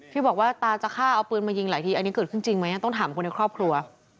ที่บอกว่าตาจะฆ่าเอาปืนมายิงหลายทีอันนี้เกิดขึ้นจริงไหมต้องถามคนในครอบครัว